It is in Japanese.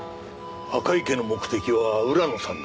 赤池の目的は浦野さんだ。